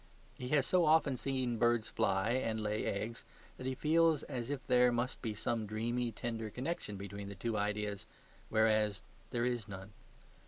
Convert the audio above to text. He has so often seen birds fly and lay eggs that he feels as if there must be some dreamy, tender connection between the two ideas, whereas there is none.